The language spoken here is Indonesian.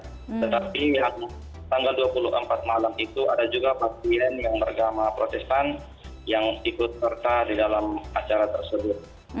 tetapi yang tanggal dua puluh empat malam itu ada juga pasien yang beragama protestan yang ikut serta di dalam acara tersebut